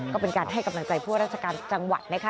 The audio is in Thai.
ก็เป็นการให้กำลังใจพวกราชการจังหวัดนะคะ